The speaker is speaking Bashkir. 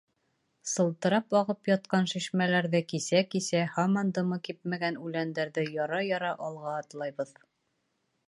Сылтырап ағып ятҡан шишмәләрҙе кисә-кисә, һаман дымы кипмәгән үләндәрҙе яра-яра алға атлайбыҙ.